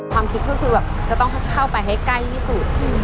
ความคิดก็คือแบบจะต้องเข้าไปให้ใกล้ที่สุด